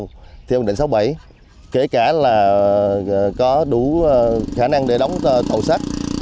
mình sẽ đóng mấy công tàu kể cả là có đủ khả năng để đóng tàu sắt